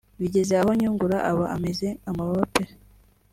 Bigeze aho Nyungura aba ameze amababa pe